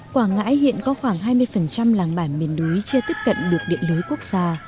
quảng ngãi hiện có khoảng hai mươi làng bản miền núi chưa tiếp cận được điện lưới quốc gia